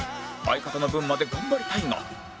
相方の分まで頑張りたいが